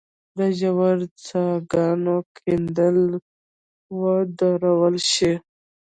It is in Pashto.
د ژورو څاه ګانو کیندل ودرول شي.